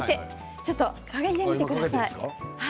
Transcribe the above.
ちょっと嗅いでみてください。